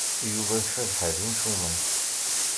Yuba d Cabḥa d imcumen.